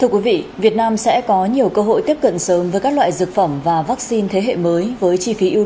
thưa quý vị việt nam sẽ có nhiều cơ hội tiếp cận sớm với các loại dược phẩm và vaccine thế hệ mới với chi phí ưu